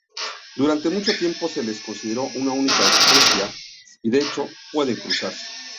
Durante mucho tiempo se les consideró una única especia,y de hecho pueden cruzarse.